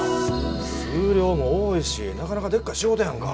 数量も多いしなかなかでっかい仕事やんか。